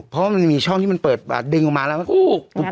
เพราะว่ามันมีช่องที่มันเปิดดึงออกมาแล้ว